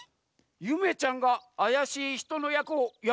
ゆめちゃんがあやしいひとのやくをやるざんすか？